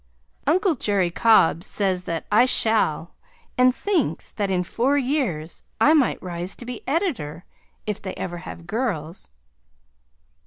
Uncle Jerry Cobb says that I shall, and thinks that in four years I might rise to be editor if they ever have girls.